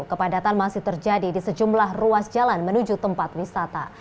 kepadatan masih terjadi di sejumlah ruas jalan menuju tempat wisata